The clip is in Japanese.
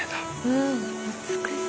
うん美しい。